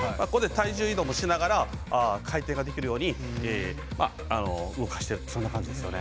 体重移動もしながら回転ができるように動かしている、そんな感じですね。